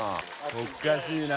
おかしいな。